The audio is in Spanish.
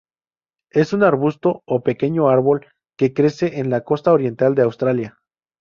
Es un arbusto o pequeño árbol que crece en la costa oriental de Australia.